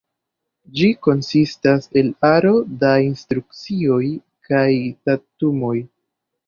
Ĝi konsistas el aro da instrukcioj kaj datumoj.